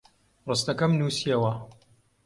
ڕستەکەم نووسییەوە.